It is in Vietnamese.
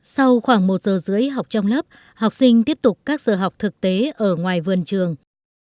sau khoảng một giờ rưỡi học trong lớp học sinh tiếp tục các giờ học thực tế ở ngoài vườn trường